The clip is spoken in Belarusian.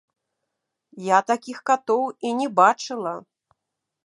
Я такіх катоў і не бачыла.